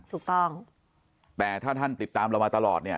ถูกต้องแต่ถ้าท่านติดตามเรามาตลอดเนี่ย